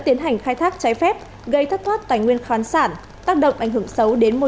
tiến hành khai thác trái phép gây thất thoát tài nguyên khán sản tác động ảnh hưởng xấu đến môi